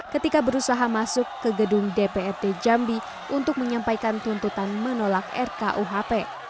ketika berusaha masuk ke gedung dprd jambi untuk menyampaikan tuntutan menolak rkuhp